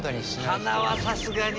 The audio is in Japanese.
鼻はさすがに。